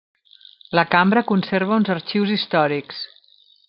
La cambra conserva uns arxius històrics.